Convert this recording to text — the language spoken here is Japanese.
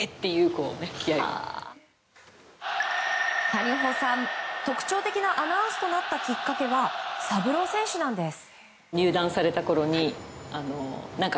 谷保さん、特徴的なアナウンスとなったきっかけはサブロー選手なんです。